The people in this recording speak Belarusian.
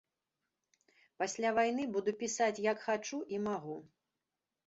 Пасля вайны буду пісаць як хачу і магу.